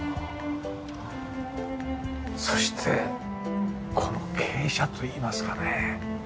そしてこの傾斜といいますかね。